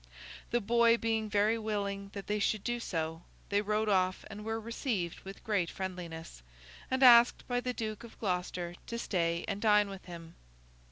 The boy being very willing that they should do so, they rode off and were received with great friendliness, and asked by the Duke of Gloucester to stay and dine with him.